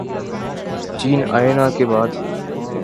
چین آئے نہ کے بعد